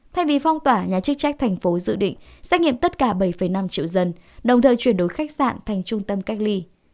thay vì phong tỏa nhà chức trách thành phố dự định xét nghiệm tất cả bảy năm triệu dân đồng thời chuyển đổi khách sạn thành trung tâm cách ly